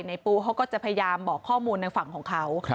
ปูเขาก็จะพยายามบอกข้อมูลในฝั่งของเขา